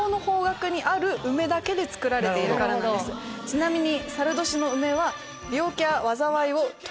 ちなみに。